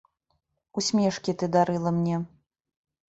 Усмешкі ты дарыла мне.